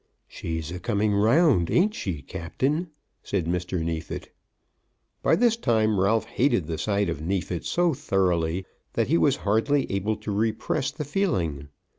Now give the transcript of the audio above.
"She's a coming round, ain't she, Captain?" said Mr. Neefit. By this time Ralph hated the sight of Neefit so thoroughly, that he was hardly able to repress the feeling.